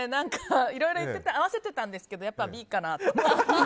いろいろ合わせてたんですけどやっぱりＢかなって。